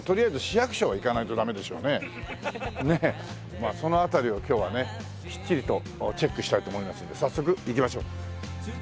まあその辺りを今日はねきっちりとチェックしたいと思いますんで早速行きましょう。